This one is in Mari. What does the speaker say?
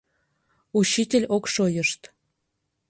Учитель ок шойышт.